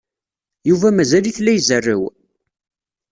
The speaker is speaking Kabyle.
Yuba mazal-it la izerrew?